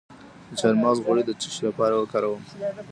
د چارمغز غوړي د څه لپاره وکاروم؟